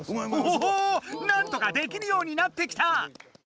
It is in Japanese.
おおなんとかできるようになってきた！